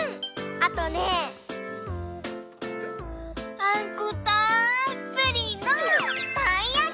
あとねあんこたっぷりのたいやき！